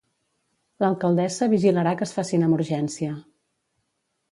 L'alcaldessa vigilarà que es facin amb urgència.